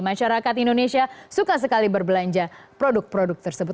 masyarakat indonesia suka sekali berbelanja produk produk tersebut